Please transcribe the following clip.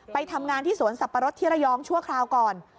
ไปทำงานที่สวนสับปะรดที่ระยองชั่วคราวก่อน